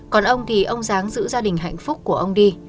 còn ông thì ông giáng giữ gia đình hạnh phúc của ông đi